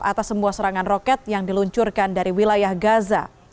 atas semua serangan roket yang diluncurkan dari wilayah gaza